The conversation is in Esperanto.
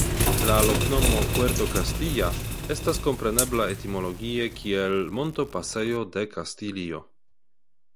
La loknomo "Puerto Castilla" estas komprenebla etimologie kiel "Montopasejo de Kastilio".